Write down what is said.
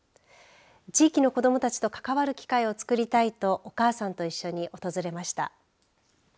地域の子どもたちと関わる機会をつくりたいとお母さんと一緒に訪れました。